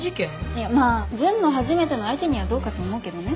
いやまあ純の初めての相手にはどうかと思うけどね。